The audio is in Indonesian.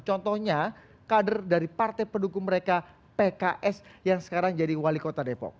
contohnya kader dari partai pendukung mereka pks yang sekarang jadi wali kota depok